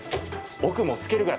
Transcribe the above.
奥も透けるくらい。